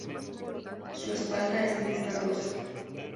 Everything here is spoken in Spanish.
Su espalda es gris verdosa.